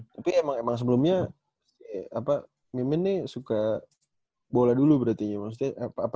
tapi emang emang sebelumnya apa mimin nih suka bola dulu berarti ya maksudnya apa